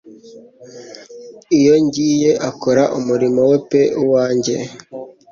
Iyo ngiye. Akora umurimo we pe uwanjye.